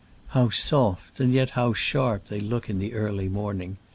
How soft, and yet how sharp, they look in the early morning!